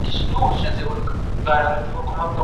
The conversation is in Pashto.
آیا لیکل د کلمو په سمولو کي رول لري؟